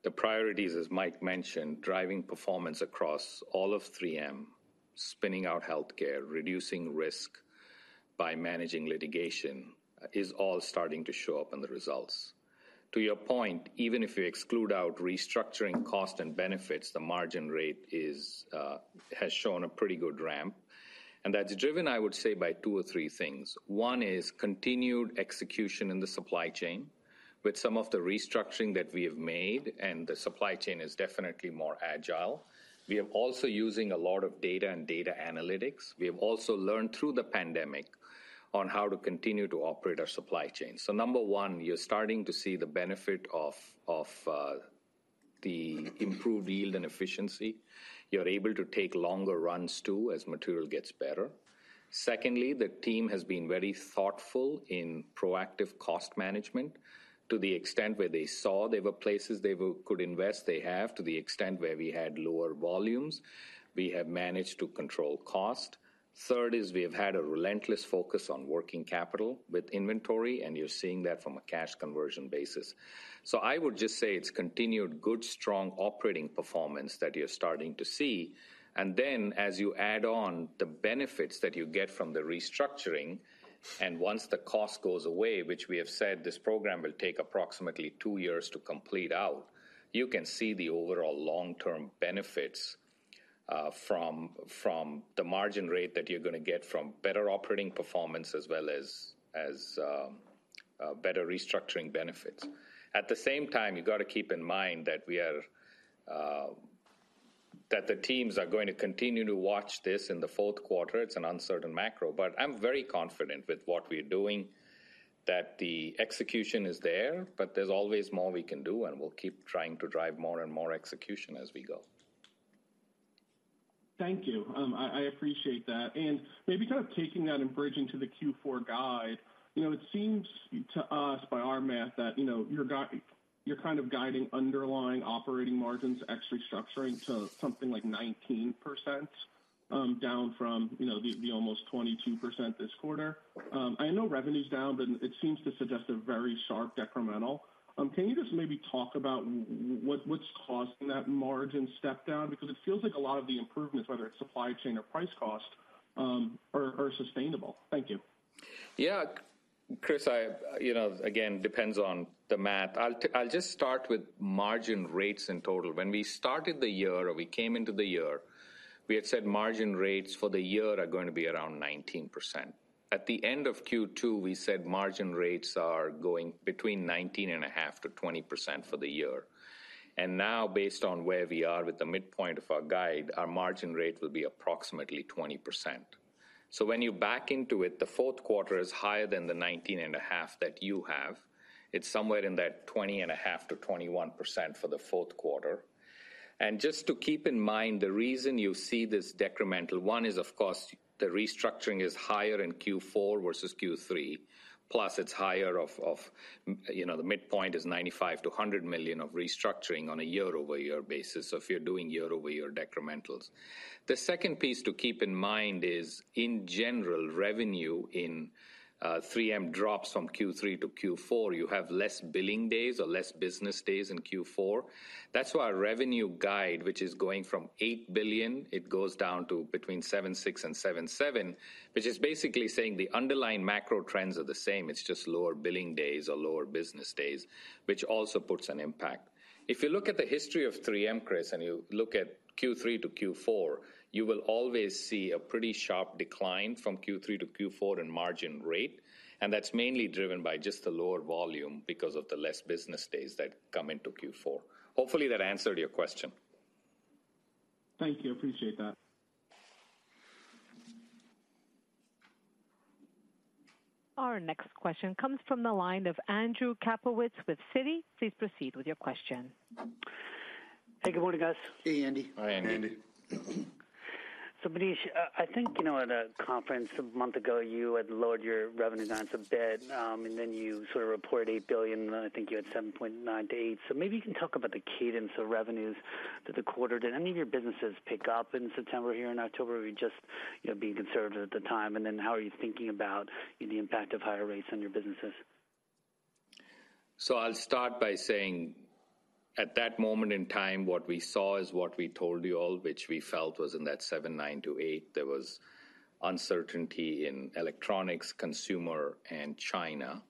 The priorities, as Mike mentioned, driving performance across all of 3M, spinning out Healthcare, reducing risk by managing litigation, is all starting to show up in the results. To your point, even if you exclude out restructuring cost and benefits, the margin rate is, has shown a pretty good ramp, and that's driven, I would say, by two or three things. 1 is continued execution in the supply chain with some of the restructuring that we have made, and the supply chain is definitely more agile. We are also using a lot of data and data analytics. We have also learned through the pandemic on how to continue to operate our supply chain. So number one, you're starting to see the benefit of the improved yield and efficiency. You're able to take longer runs, too, as material gets better. Secondly, the team has been very thoughtful in proactive cost management to the extent where they saw there were places they could invest, they have. To the extent where we had lower volumes, we have managed to control cost. Third is we have had a relentless focus on working capital with inventory, and you're seeing that from a cash conversion basis. So I would just say it's continued good, strong operating performance that you're starting to see. Then as you add on the benefits that you get from the restructuring, and once the cost goes away, which we have said this program will take approximately two years to complete out, you can see the overall long-term benefits from the margin rate that you're gonna get from better operating performance as well as better restructuring benefits. At the same time, you've got to keep in mind that the teams are going to continue to watch this in the fourth quarter. It's an uncertain macro, but I'm very confident with what we're doing, that the execution is there, but there's always more we can do, and we'll keep trying to drive more and more execution as we go. Thank you. I appreciate that. And maybe kind of taking that and bridging to the Q4 guide, you know, it seems to us, by our math, that, you know, you're kind of guiding underlying operating margins ex restructuring to something like 19%, down from, you know, the almost 22% this quarter. I know revenue's down, but it seems to suggest a very sharp decremental. Can you just maybe talk about what's causing that margin step down? Because it feels like a lot of the improvements, whether it's supply chain or price cost, are sustainable. Thank you. Yeah, Chris, I, you know, again, depends on the math. I'll just start with margin rates in total. When we started the year, or we came into the year, we had said margin rates for the year are going to be around 19%. At the end of Q2, we said margin rates are going between 19.5% to 20% for the year. And now, based on where we are with the midpoint of our guide, our margin rate will be approximately 20%. So when you back into it, the fourth quarter is higher than the 19.5% that you have. It's somewhere in that 20.5% to 21% for the fourth quarter. And just to keep in mind, the reason you see this decremental, one is, of course, the restructuring is higher in Q4 versus Q3, plus it's higher, you know, the midpoint is $95-$100 million of restructuring on a year-over-year basis, so if you're doing year-over-year decrementals. The second piece to keep in mind is, in general, revenue in 3M drops from Q3 to Q4. You have less billing days or less business days in Q4. That's why our revenue guide, which is going from $8 billion, it goes down to between $7.6 billion and $7.7 billion, which is basically saying the underlying macro trends are the same. It's just lower billing days or lower business days, which also puts an impact. If you look at the history of 3M, Chris, and you look at Q3 to Q4, you will always see a pretty sharp decline from Q3 to Q4 in margin rate, and that's mainly driven by just the lower volume because of the less business days that come into Q4. Hopefully, that answered your question. Thank you. I appreciate that. Our next question comes from the line of Andrew Kaplowitz with Citi. Please proceed with your question. Hey, good morning, guys. Hey, Andy. Hi, Andy. Andy. So, Monish, I think, you know, at a conference a month ago, you had lowered your revenue guidance a bit, and then you sort of reported $8 billion, and I think you had $7.9-$8 billion. So maybe you can talk about the cadence of revenues for the quarter. Did any of your businesses pick up in September here and October? Were you just, you know, being conservative at the time, and then how are you thinking about the impact of higher rates on your businesses? So I'll start by saying, at that moment in time, what we saw is what we told you all, which we felt was in that $7.9 billion-$8 billion. There was uncertainty in electronics, Consumer, and China.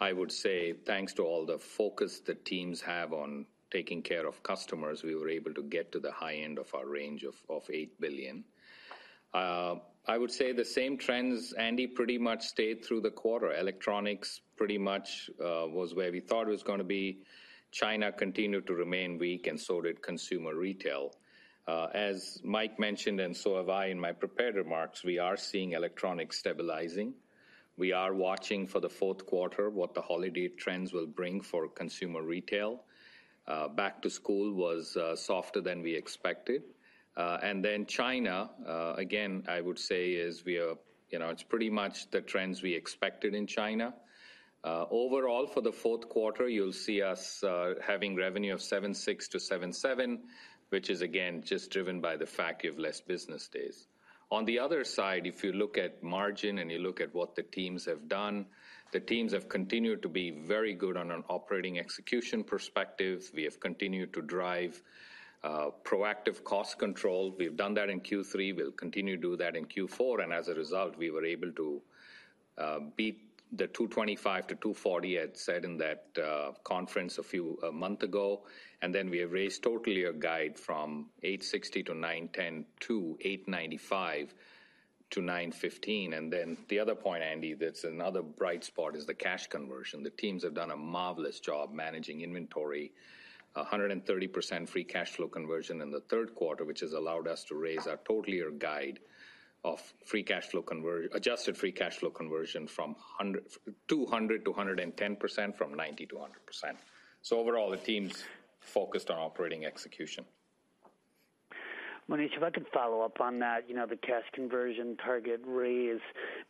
I would say thanks to all the focus the teams have on taking care of customers, we were able to get to the high end of our range of $8 billion. I would say the same trends, Andy, pretty much stayed through the quarter. Electronics pretty much was where we thought it was gonna be. China continued to remain weak and so did Consumer retail. As Mike mentioned, and so have I in my prepared remarks, we are seeing electronics stabilizing. We are watching for the fourth quarter, what the holiday trends will bring for Consumer retail. Back to school was softer than we expected. And then China, again, I would say is we are, you know, it's pretty much the trends we expected in China. Overall, for the fourth quarter, you'll see us having revenue of $7.6-$7.7, which is again, just driven by the fact you have less business days. On the other side, if you look at margin and you look at what the teams have done, the teams have continued to be very good on an operating execution perspective. We have continued to drive proactive cost control. We've done that in Q3, we'll continue to do that in Q4, and as a result, we were able to beat the $2.25-$2.40 I had said in that conference a month ago. And then we have raised total year guide from $8.60-$9.10 to $8.95-$9.15. And then the other point, Andy, that's another bright spot, is the cash conversion. The teams have done a marvelous job managing inventory. 130% free cash flow conversion in the third quarter, which has allowed us to raise our total year guide of free cash flow adjusted free cash flow conversion from 102% to 110%, from 90% to 100%. So overall, the team's focused on operating execution. Monish, if I can follow up on that, you know, the cash conversion target raise,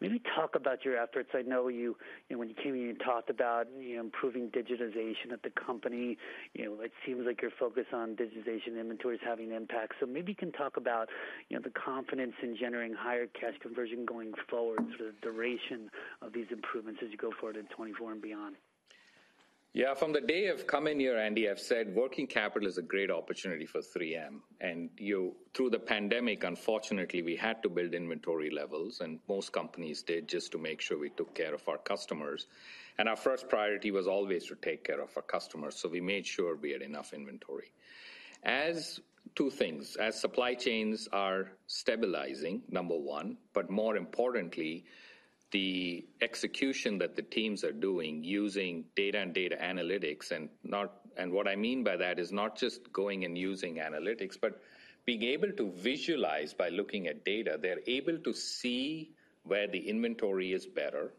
maybe talk about your efforts. I know you, you know, when you came in, you talked about, you know, improving digitization at the company. You know, it seems like your focus on digitization inventory is having an impact. So maybe you can talk about, you know, the confidence in generating higher cash conversion going forward, sort of duration of these improvements as you go forward in 2024 and beyond. Yeah, from the day I've come in here, Andy, I've said working capital is a great opportunity for 3M. And you, through the pandemic, unfortunately, we had to build inventory levels, and most companies did, just to make sure we took care of our customers. And our first priority was always to take care of our customers, so we made sure we had enough inventory. As--two things, as supply chains are stabilizing, number one, but more importantly, the execution that the teams are doing using data and data analytics and not, And what I mean by that is not just going and using analytics, but being able to visualize by looking at data, they're able to see where the inventory is better.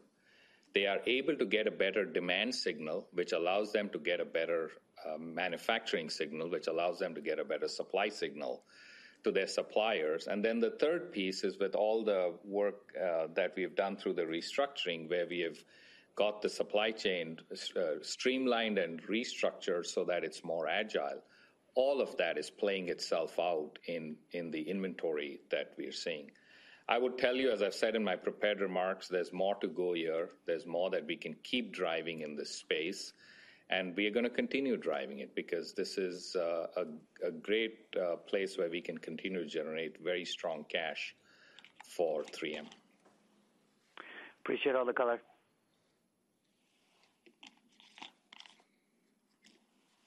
They are able to get a better demand signal, which allows them to get a better manufacturing signal, which allows them to get a better supply signal to their suppliers. And then the third piece is with all the work that we've done through the restructuring, where we have got the supply chain streamlined and restructured so that it's more agile. All of that is playing itself out in, in the inventory that we are seeing. I would tell you, as I've said in my prepared remarks, there's more to go here. There's more that we can keep driving in this space, and we are gonna continue driving it because this is a great place where we can continue to generate very strong cash for 3M. Appreciate all the color.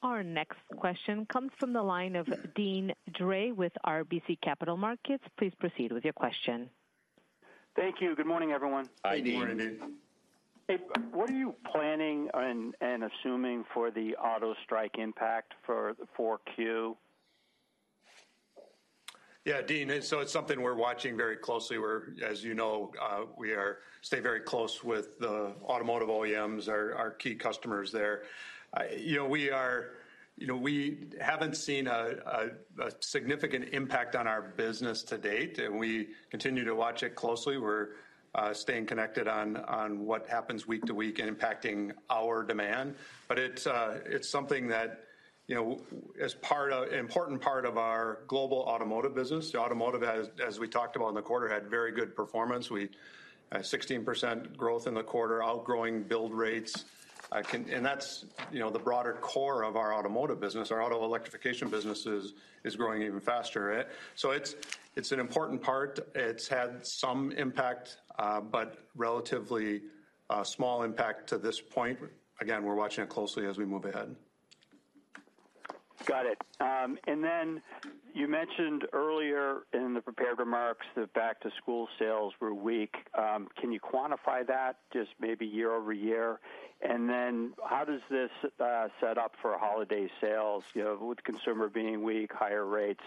Our next question comes from the line of Deane Dray with RBC Capital Markets. Please proceed with your question. Thank you. Good morning, everyone. Hi, Deane. Good morning, Deane. Hey, what are you planning and assuming for the auto strike impact for the 4Q? Yeah, Deane, so it's something we're watching very closely. We're, as you know, we stay very close with the automotive OEMs, our key customers there. You know, we haven't seen a significant impact on our business to date, and we continue to watch it closely. We're staying connected on what happens week to week and impacting our demand. But it's something that, you know, as part of important part of our global automotive business. The automotive, as we talked about in the quarter, had very good performance. We had 16% growth in the quarter, outgrowing build rates. And that's, you know, the broader core of our automotive business. Our auto electrification business is growing even faster. So it's an important part. It's had some impact, but relatively, small impact to this point. Again, we're watching it closely as we move ahead. Got it. And then you mentioned earlier in the prepared remarks that back-to-school sales were weak. Can you quantify that just maybe year-over-year? And then how does this set up for holiday sales? You know, with Consumer being weak, higher rates,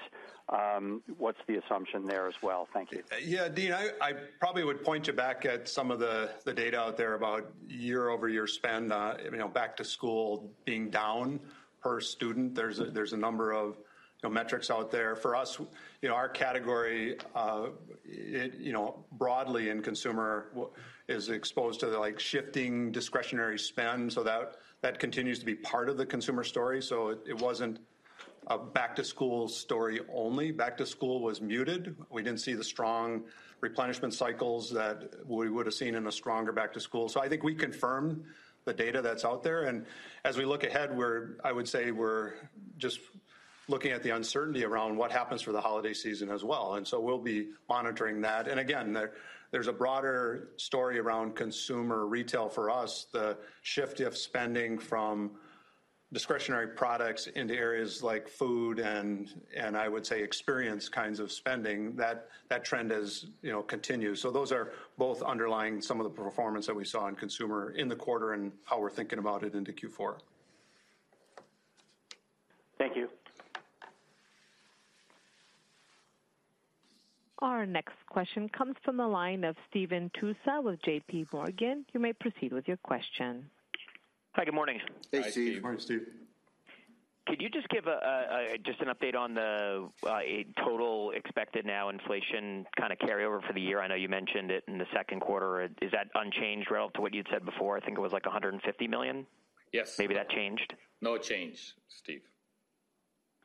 what's the assumption there as well? Thank you. Yeah, Deane, I probably would point you back at some of the data out there about year-over-year spend, you know, back to school being down per student. There's a number of, you know, metrics out there. For us, you know, our category, it, you know, broadly in Consumer, which is exposed to, like, shifting discretionary spend, so that continues to be part of the Consumer story, so it wasn't a back to school story only. Back to school was muted. We didn't see the strong replenishment cycles that we would've seen in a stronger back to school. So I think we confirmed the data that's out there, and as we look ahead, we're. I would say we're just looking at the uncertainty around what happens for the holiday season as well, and so we'll be monitoring that. And again, there, there's a broader story around Consumer retail for us, the shift of spending from discretionary products into areas like food and, and I would say, experience kinds of spending, that, that trend has, you know, continued. So those are both underlying some of the performance that we saw in Consumer in the quarter and how we're thinking about it into Q4. Thank you. Our next question comes from the line of Steve Tusa with J.P. Morgan. You may proceed with your question. Hi, good morning. Hey, Steve. Good morning, Steve. Could you just give an update on the total expected now inflation kind of carryover for the year? I know you mentioned it in the second quarter. Is that unchanged relative to what you'd said before? I think it was, like, $150 million. Yes. Maybe that changed? No change, Steve.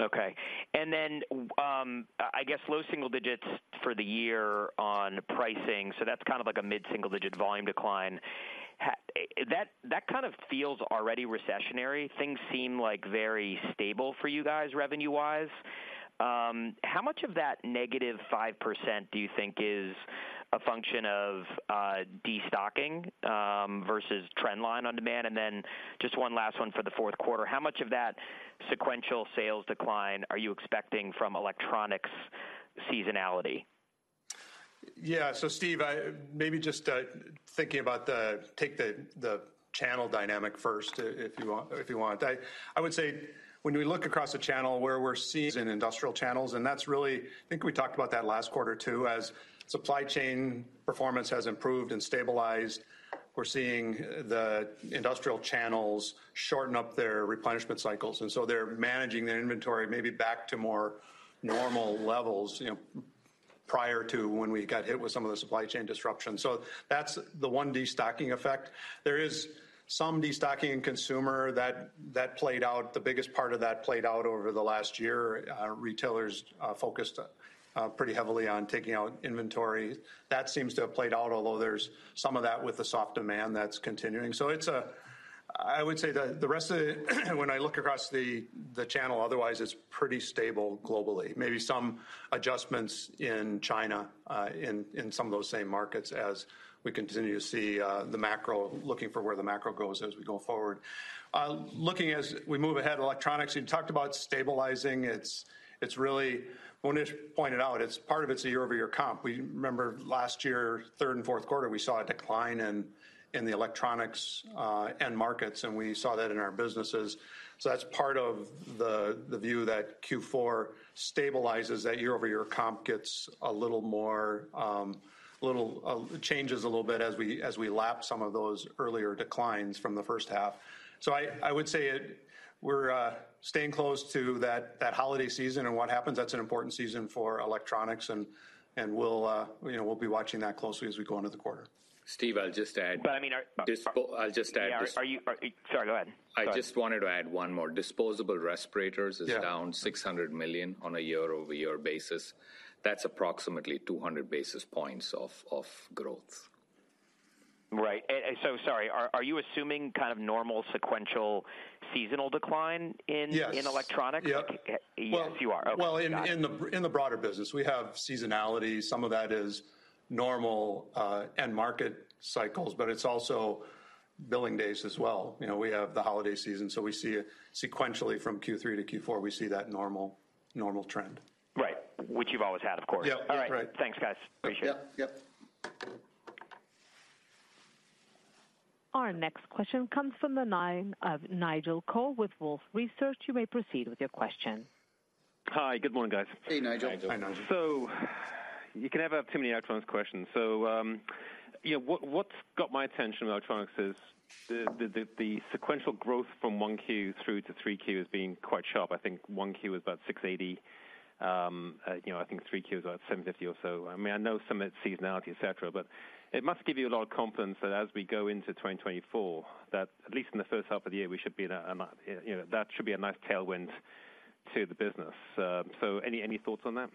Okay. And then, I guess low single digits for the year on pricing, so that's kind of like a mid-single digit volume decline. That, that kind of feels already recessionary. Things seem, like, very stable for you guys, revenue-wise. How much of that negative 5% do you think is a function of, destocking, versus trend line on demand? And then just one last one for the fourth quarter: How much of that sequential sales decline are you expecting from electronics seasonality? Yeah. So Steve, maybe just take the channel dynamic first, if you want, if you want. I would say when we look across the channel where we're seeing in industrial channels, and that's really. I think we talked about that last quarter, too. As supply chain performance has improved and stabilized, we're seeing the industrial channels shorten up their replenishment cycles, and so they're managing their inventory maybe back to more normal levels, you know, prior to when we got hit with some of the supply chain disruptions. So that's the one destocking effect. There is some destocking in consumer that played out. The biggest part of that played out over the last year. Retailers focused pretty heavily on taking out inventory. That seems to have played out, although there's some of that with the soft demand that's continuing. So it's a. I would say the rest of it, when I look across the channel, otherwise, it's pretty stable globally. Maybe some adjustments in China, in some of those same markets as we continue to see the macro, looking for where the macro goes as we go forward. Looking as we move ahead, electronics, you've talked about stabilizing. It's really, Monish pointed out, it's part of it's a year-over-year comp. We remember last year, third and fourth quarter, we saw a decline in the electronics end markets, and we saw that in our businesses. So that's part of the view that Q4 stabilizes, that year-over-year comp gets a little more, a little changes a little bit as we, as we lap some of those earlier declines from the first half. So I would say we're staying close to that holiday season and what happens, that's an important season for electronics, and we'll, you know, we'll be watching that closely as we go into the quarter. Steve, I'll just add- But I mean, are- I'll just add this. Are you, Sorry, go ahead. I just wanted to add one more. Disposable Respirators- Yeah is down $600 million on a year-over-year basis. That's approximately 200 basis points of growth. Right. And so sorry, are you assuming kind of normal sequential seasonal decline in- Yes in electronics? Yep. Yes, you are. Okay. Well, in the broader business, we have seasonality. Some of that is normal end market cycles, but it's also billing days as well. You know, we have the holiday season, so we see sequentially from Q3 to Q4, we see that normal, normal trend. Right. Which you've always had, of course. Yep. All right. That's right. Thanks, guys. Appreciate it. Yep, yep. Our next question comes from the line of Nigel Coe with Wolfe Research. You may proceed with your question. Hi, good morning, guys. Hey, Nigel. Hi, Nigel. So you can never have too many electronics questions. So, you know, what's got my attention with electronics is the sequential growth from 1Q through to 3Q as being quite sharp. I think 1Q was about $680. You know, I think 3Q is about $750 or so. I mean, I know some of it's seasonality, et cetera, but it must give you a lot of confidence that as we go into 2024, that at least in the first half of the year, we should be in a, you know, that should be a nice tailwind to the business. So any thoughts on that?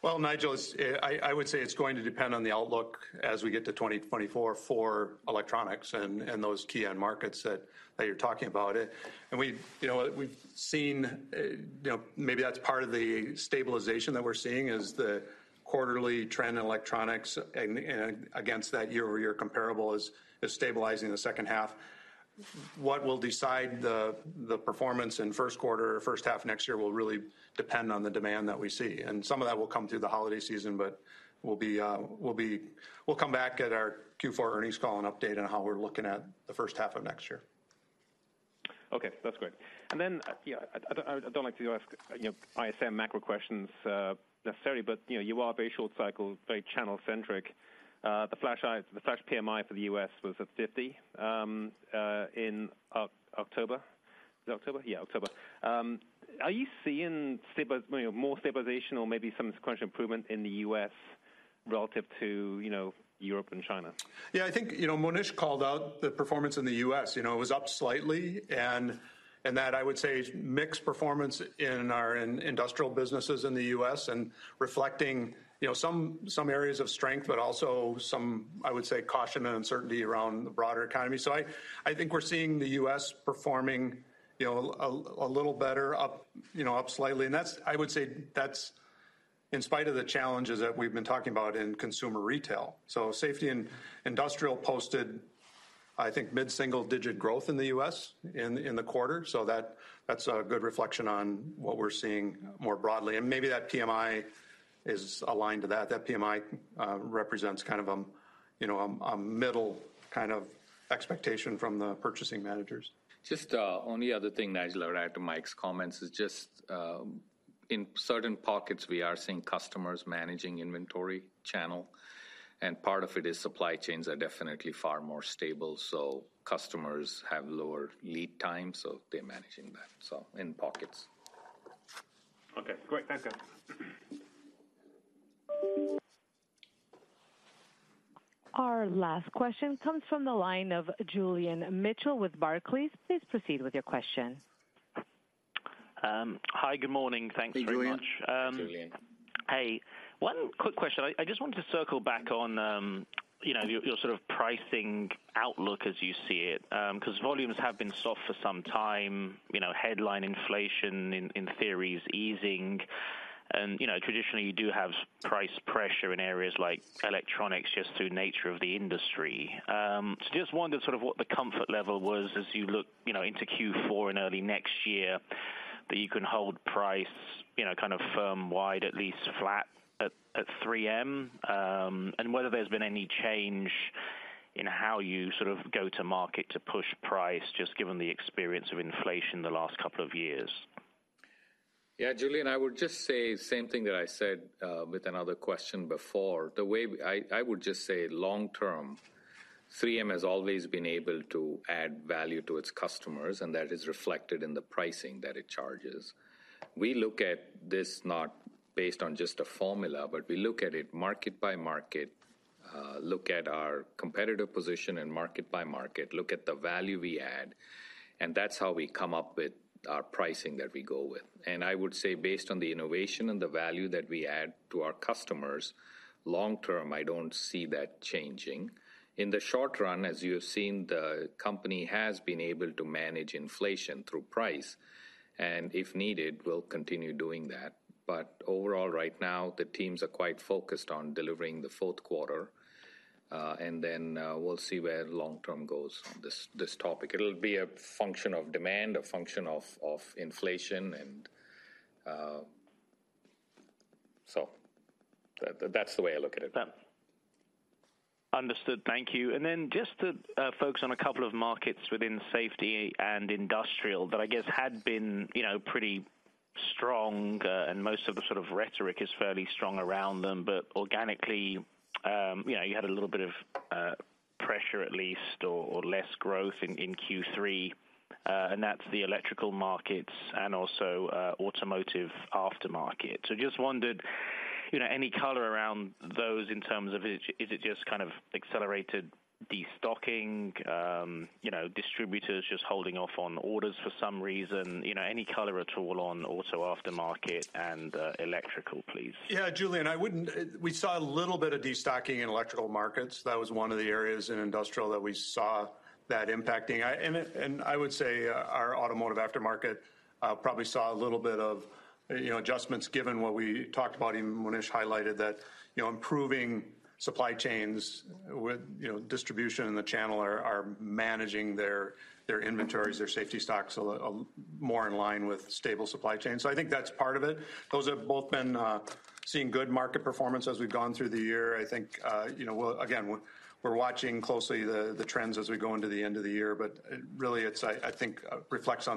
Well, Nigel, it's, I would say it's going to depend on the outlook as we get to 2024 for electronics and those key end markets that you're talking about. And we've, you know, we've seen, you know, maybe that's part of the stabilization that we're seeing is the quarterly trend in electronics and against that year-over-year comparable is stabilizing the second half. What will decide the performance in first quarter or first half next year will really depend on the demand that we see, and some of that will come through the holiday season, but we'll be. We'll come back at our Q4 earnings call and update on how we're looking at the first half of next year. Okay, that's great. And then, yeah, I don't like to ask, you know, ISM macro questions, necessarily, but, you know, you are very short cycle, very channel centric. The flash PMI for the U.S. was at 50 in October. Is it October? Yeah, October. Are you seeing, you know, more stabilization or maybe some sequential improvement in the U.S. relative to, you know, Europe and China? Yeah, I think, you know, Monish called out the performance in the U.S. You know, it was up slightly, and, and that, I would say, is mixed performance in our industrial businesses in the U.S. and reflecting, you know, some, some areas of strength, but also some, I would say, caution and uncertainty around the broader economy. So I, I think we're seeing the U.S. performing, you know, a, a little better, up, you know, up slightly. And that's. I would say that's in spite of the challenges that we've been talking about in consumer retail. So Safety and Industrial posted, I think, mid-single digit growth in the U.S. in the quarter. So that, that's a good reflection on what we're seeing more broadly, and maybe that PMI is aligned to that. That PMI represents kind of, you know, a middle kind of expectation from the purchasing managers. Just, only other thing, Nigel, I'd add to Mike's comments is just, in certain pockets, we are seeing customers managing inventory channel, and part of it is supply chains are definitely far more stable, so customers have lower lead time, so they're managing that, so in pockets. Okay, great. Thanks, guys. Our last question comes from the line of Julian Mitchell with Barclays. Please proceed with your question. Hi, good morning. Thanks very much. Hey, Julian. Hi, Julian. Hey, one quick question. I just wanted to circle back on, you know, your, your sort of pricing outlook as you see it. 'Cause volumes have been soft for some time. You know, headline inflation in theory is easing, and you know, traditionally, you do have price pressure in areas like electronics, just through nature of the industry. So just wondered sort of what the comfort level was as you look, you know, into Q4 and early next year, that you can hold price, you know, kind of firm wide, at least flat at 3M, and whether there's been any change in how you sort of go to market to push price, just given the experience of inflation the last couple of years. Yeah, Julian, I would just say same thing that I said with another question before. The way I would just say, long term, 3M has always been able to add value to its customers, and that is reflected in the pricing that it charges. We look at this not based on just a formula, but we look at it market by market, look at our competitive position and market by market, look at the value we add, and that's how we come up with our pricing that we go with. And I would say, based on the innovation and the value that we add to our customers, long term, I don't see that changing. In the short run, as you have seen, the company has been able to manage inflation through price, and if needed, we'll continue doing that. But overall, right now, the teams are quite focused on delivering the fourth quarter, and then we'll see where long term goes on this, this topic. It'll be a function of demand, a function of inflation, and so that's the way I look at it. Understood. Thank you. And then just to focus on a couple of markets within Safety and Industrial that I guess had been, you know, pretty strong, and most of the sort of rhetoric is fairly strong around them. But organically, you know, you had a little bit of pressure at least, or less growth in Q3, and that's the Electrical Markets and also Automotive Aftermarket. So just wondered, you know, any color around those in terms of is it just kind of accelerated destocking, you know, distributors just holding off on orders for some reason? You know, any color at all on also aftermarket and electrical, please. Yeah, Julian, I wouldn't, we saw a little bit of destocking in Electrical Markets. That was one of the areas in industrial that we saw that impacting. I would say our Automotive Aftermarket probably saw a little bit of, you know, adjustments given what we talked about, and Monish highlighted that, you know, improving supply chains with, you know, distribution and the channel are managing their inventories, their safety stocks a more in line with stable supply chains. So I think that's part of it. Those have both been seeing good market performance as we've gone through the year. I think, you know, we'll again, we're watching closely the trends as we go into the end of the year, but it really, it's, I think, reflects a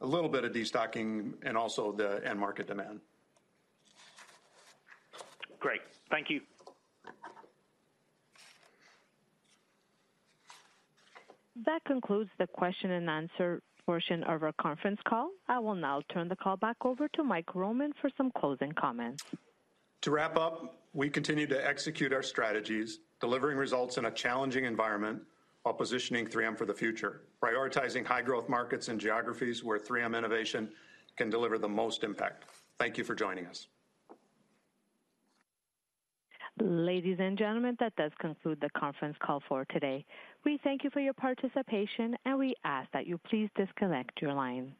little bit of destocking and also the end market demand. Great. Thank you. That concludes the question and answer portion of our conference call. I will now turn the call back over to Mike Roman for some closing comments. To wrap up, we continue to execute our strategies, delivering results in a challenging environment while positioning 3M for the future, prioritizing high growth markets and geographies where 3M innovation can deliver the most impact. Thank you for joining us. Ladies and gentlemen, that does conclude the conference call for today. We thank you for your participation, and we ask that you please disconnect your line.